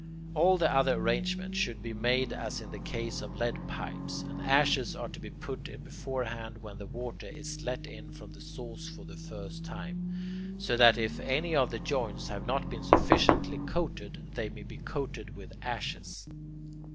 All the other arrangements should be made as in the case of lead pipes. And ashes are to be put in beforehand when the water is let in from the source for the first time, so that if any of the joints have not been sufficiently coated, they may be coated with ashes.